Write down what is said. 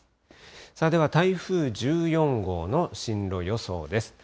では台風１４号の進路予想です。